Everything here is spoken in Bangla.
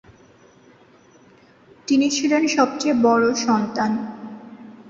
তিনি ছিলেন সবচেয়ে বড় সন্তান।